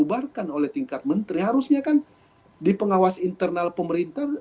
dibubarkan oleh tingkat menteri harusnya kan di pengawas internal pemerintah